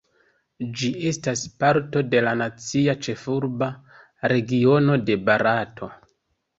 Ĝi estas parto de la Nacia Ĉefurba Regiono de Barato.